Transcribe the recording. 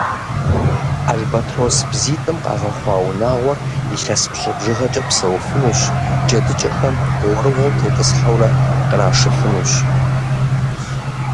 Альбэтрос бзитӀым къагъэхъуа унагъуэр илъэс пщӀы бжыгъэкӀэ псэуфынущ, джэдыкӀэхэм гъуэрыгъуэу тетӀысхьэурэ къырашыфынущ.